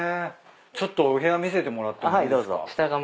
ちょっとお部屋見せてもらってもいいですか？